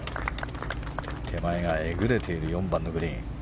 手前がえぐれている４番のグリーン。